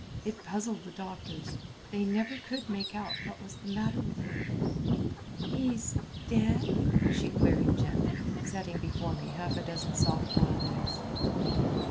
It puzzled the doctors. They never could make out what was the matter with him." "He is dead?" she queried gently, setting before me half a dozen soft boiled eggs.